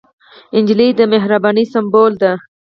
نجلۍ د مهربانۍ سمبول ده.